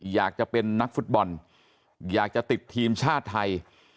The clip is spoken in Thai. อยากจะเป็นนักฟุตบอลอยากจะติดทีมชาติไทย